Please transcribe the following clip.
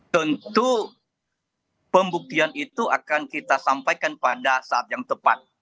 tentu pembuktian itu akan kita sampaikan pada saat yang tepat